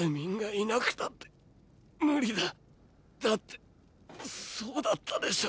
だってそうだったでしょ？